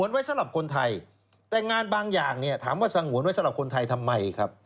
ไว้สำหรับคนไทยแต่งานบางอย่างเนี่ยถามว่าสงวนไว้สำหรับคนไทยทำไมครับ